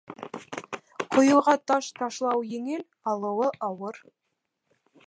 Ҡойоға таш ташлау еңел, алыуы ауыр.